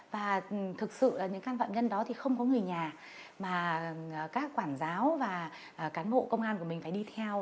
và thực sự là những can phạm nhân đó thì không có người nhà mà các quản giáo và cán bộ công an của mình phải đi theo